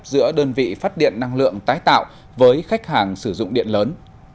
giữa đơn vị phát điện năng lượng tái tạo với khách hàng sử dụng điện lớn